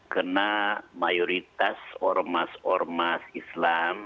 karena mayoritas ormas ormas islam